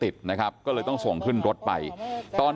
พี่สาวอายุ๗ขวบก็ดูแลน้องดีเหลือเกิน